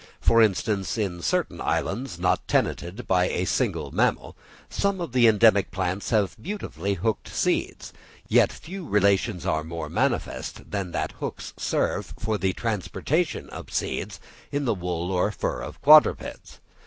For instance, in certain islands not tenanted by a single mammal, some of the endemic plants have beautifully hooked seeds; yet few relations are more manifest than that hooks serve for the transportal of seeds in the wool or fur of quadrupeds.